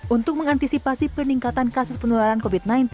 untuk mengantisipasi peningkatan kasus penularan covid sembilan belas